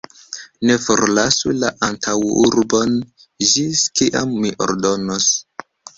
Ne forlasu la antaŭurbon, ĝis kiam mi ordonos!